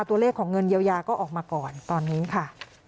ตัวเลขของเงินเยียวยาก็ออกมาก่อนตอนนี้ค่ะ